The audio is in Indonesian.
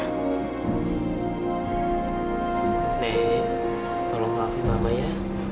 oke tolong maafin mama ya